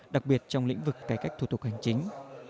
đặc biệt trong lĩnh vực cải cách thu thục hành chính